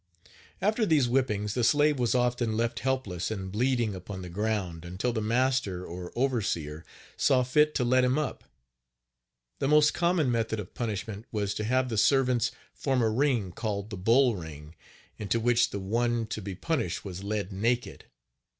After these whippings the slave was often left helpless and bleeding upon the ground, until the master, or overseer, saw fit to let him up. The most common method of punishment was to have the servants form a ring, called the "bull ring," into which the one to Page 46 be punished was led naked.